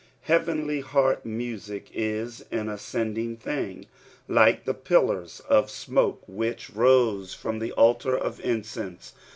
Heavenly heart muaic is an ascending tiling, like the pillars of smoke which rose from the altar of incense.